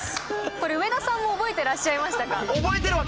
これ上田さんも覚えてらっしゃいましたか？